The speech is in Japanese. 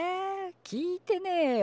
聞いてねえよ